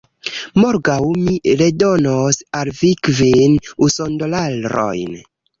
Morgaŭ mi redonos al vi kvin usondolarojn